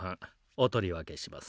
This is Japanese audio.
お取り分けします。